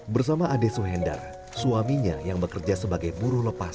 bersama ade suhendar suaminya yang bekerja sebagai buruh lepas